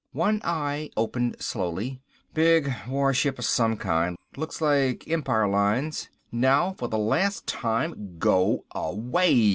One eye opened slowly. "Big warship of some kind, looks like Empire lines. Now for the last time go away!"